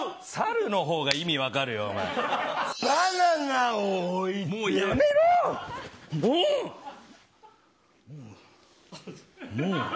サルの方が意味分かるよおまえ。